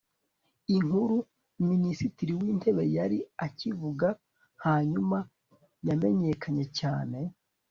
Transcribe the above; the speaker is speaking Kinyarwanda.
inkuru. minisitiri w'intebe yari akivuga. hanyuma yamenyekanye cyane